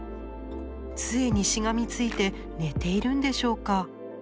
杖にしがみついて寝ているんでしょうか。